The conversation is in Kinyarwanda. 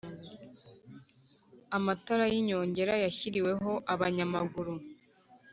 Amatara y’ inyongera yashyiriweho abanyamaguru.